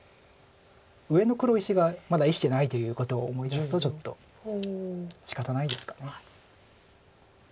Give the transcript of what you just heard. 上の黒石がまだ生きてないということを思い出すとちょっとしかたないですか。